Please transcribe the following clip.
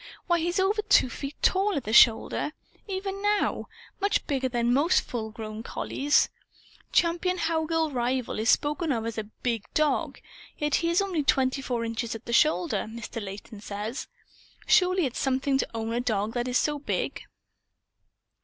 Why, he's over two feet tall, at the shoulder, even now much bigger than most full grown collies. Champion Howgill Rival is spoken of as a 'big' dog; yet he is only twenty four inches at the shoulder, Mr. Leighton says. Surely it's something to own a dog that is so big."